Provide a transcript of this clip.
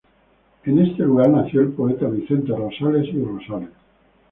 En este lugar nació el poeta Vicente Rosales y Rosales.